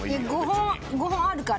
５本５本あるから。